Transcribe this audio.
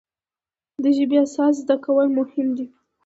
د ژبې اساس زده کول مهم دی.